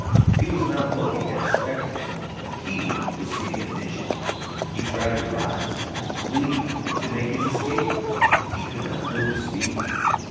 He was not looking at a spectacle, he was seeing a vision. He tried to rise, to flee, to make his escape; he could not move his feet.